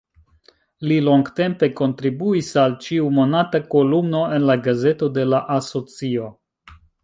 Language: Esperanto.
Li longtempe kontribuis al ĉiumonata kolumno en la gazeto de la asocio.